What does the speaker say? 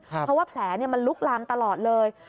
เพราะว่าแผลมันลุกลามตลอดเลย